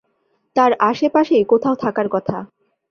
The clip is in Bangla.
তার আশেপাশেই কোথাও থাকার কথা!